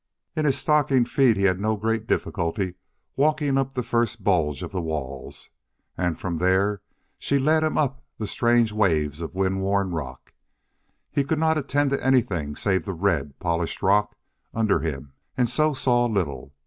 In his stocking feet he had no great difficulty walking up the first bulge of the walls. And from there she led him up the strange waves of wind worn rock. He could not attend to anything save the red, polished rock under him, and so saw little.